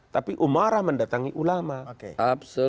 tapi umara mendatangi ulama